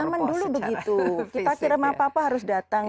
zaman dulu begitu kita tiram apa apa harus datang